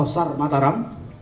kapal sar mataram